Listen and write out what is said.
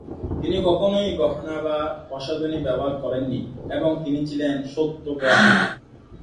তিনি কখনোই গহনা বা প্রসাধনী ব্যবহার করেননি, এবং তিনি ছিলেন সত্যগ্রাহী।